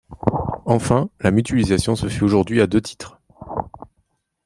Enfin, la mutualisation se fait aujourd’hui à deux titres.